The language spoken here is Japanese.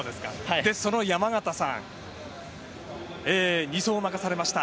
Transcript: その山縣さん２走を任されました。